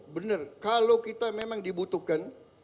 benar kalau kita memang dibutuhkan